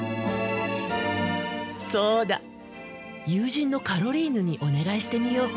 そうだ友人のカロリーヌにお願いしてみよう。